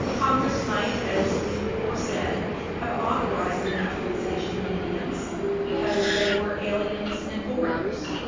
Congress might, as we before said, have authorized the naturalization of Indians because they were aliens and foreigners.